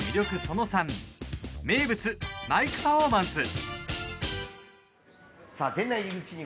その３名物、マイクパフォーマンス。